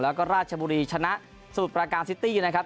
แล้วก็ราชบุรีชนะสมุทรประการซิตี้นะครับ